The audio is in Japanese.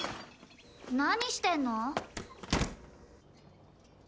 何してんの？